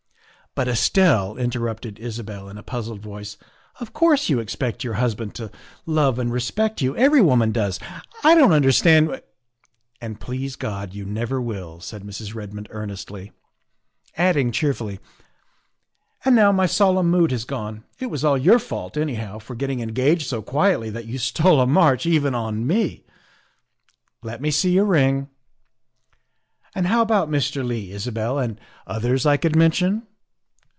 " But, Estelle," interrupted Isabel in a puzzled voice, '' of course you expect your husband to love and respect you, every woman does. I don't understand "And please God you never will," said Mrs. Red mond earnestly, adding cheerfully, " and now my solemn mood has gone. It was all your fault, anyhow, for getting engaged so quietly that you stole a march even on me. Let me see your ring. And how about Mr. Leigh, Isabel, and others I could mention?"